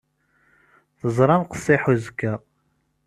Teẓram qessiḥ uzekka.